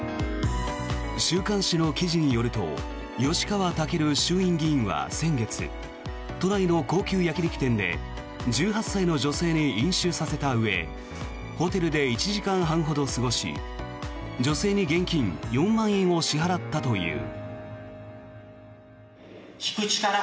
週刊誌の記事によると吉川赳衆院議員は先月都内の高級焼き肉店で１８歳の女性に飲酒させたうえホテルで１時間半ほど過ごし女性に現金４万円を支払ったという。